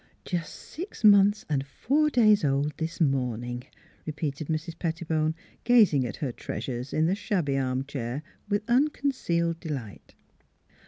" Just six months and four days old this morn ing!" repeated Mrs. Pettibone, gazing at her treasures in the shabby armchair with unconcealed delight.